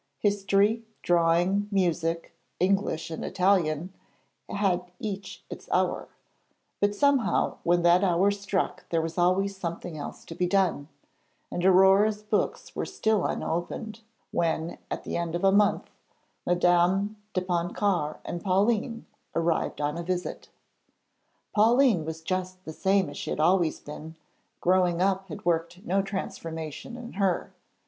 History, drawing, music, English and Italian, had each its hour; but somehow when that hour struck there was always something else to be done, and Aurore's books were still unopened when, at the end of a month, Madame de Pontcarré and Pauline arrived on a visit. Pauline was just the same as she had always been; 'growing up' had worked no transformation in her.